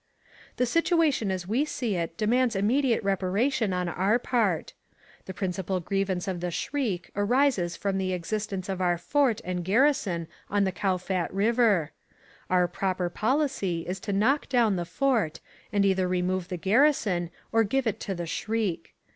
"The situation as we see it demands immediate reparation on our part. The principal grievance of the Shriek arises from the existence of our fort and garrison on the Kowfat river. Our proper policy is to knock down the fort, and either remove the garrison or give it to the Shriek.